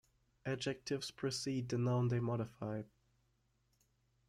Adjectives precede the noun they modify.